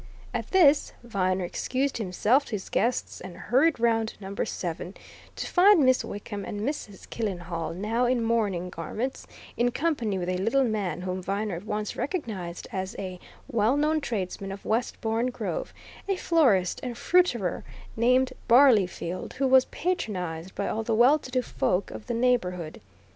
At this, Viner excused himself to his guests and hurried round to Number Seven, to find Miss Wickham and Mrs. Killenhall, now in mourning garments, in company with a little man whom Viner at once recognized as a well known tradesman of Westbourne Grove a florist and fruiterer named Barleyfield, who was patronized by all the well to do folk of the neighbourhood.